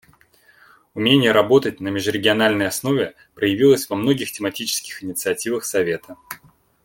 Умение работать на межрегиональной основе проявилось во многих тематических инициативах Совета.